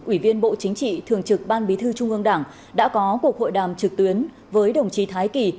ủy viên bộ chính trị thường trực ban bí thư trung ương đảng đã có cuộc hội đàm trực tuyến với đồng chí thái kỳ